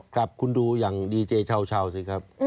ครับคุณดูอย่างดีเจเช่าสิครับ